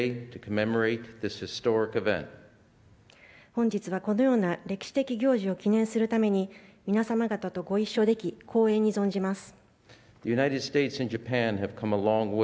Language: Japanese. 本日は、このような歴史的行事を記念するために皆様方とご一緒でき光栄に存じます。